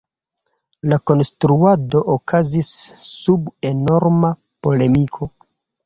La konstruado okazis sub enorma polemiko.